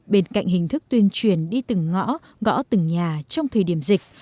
bên cạnh hình thức tuyên truyền đi từng ngõ gõ từng nhà trong thời điểm dịch